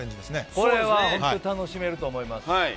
これは本当に楽しめると思います。